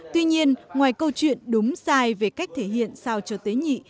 tuy nhiên ngoài câu chuyện đúng sai về cách thể hiện sao cho tế nhị